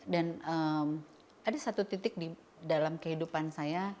dan ada satu titik dalam kehidupan saya